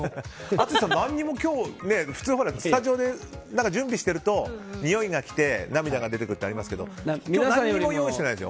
淳さん、普通スタジオで準備してるとにおいが来て、涙が出てくるってありますけど今日、何も用意してないですよ。